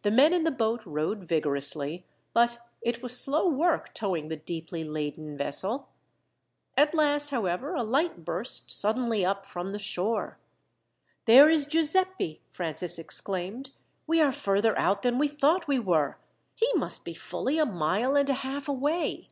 The men in the boat rowed vigorously, but it was slow work towing the deeply laden vessel. At last, however, a light burst suddenly up from the shore. "There is Giuseppi," Francis exclaimed. "We are further out than we thought we were. He must be fully a mile and a half away."